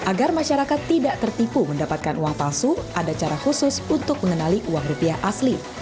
agar masyarakat tidak tertipu mendapatkan uang palsu ada cara khusus untuk mengenali uang rupiah asli